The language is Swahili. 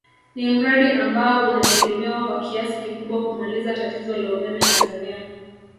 Ni mradi ambao unategemewa kwa kiasi kikubwa kumaliza tatizo la umeme Tanzania